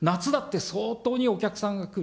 夏だって相当にお客さんが来る。